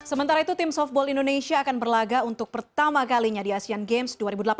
sementara itu tim softball indonesia akan berlaga untuk pertama kalinya di asean games dua ribu delapan belas